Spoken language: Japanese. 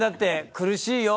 苦しいよ。